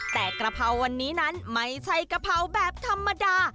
แต่กะเพราวันนี้นั้นไม่ใช่กะเพราแบบธรรมดา